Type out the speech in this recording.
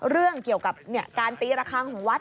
เรื่องเกี่ยวกับการตีระคังของวัด